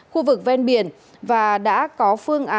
khu vực ven biển và đã có phương án đảm bảo an toàn